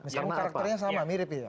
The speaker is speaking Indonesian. meskipun karakternya sama mirip ya